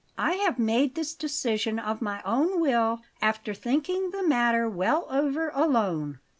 I have made this decision of my own will, after thinking the matter well over alone.